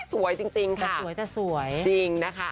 สวยจริงค่ะ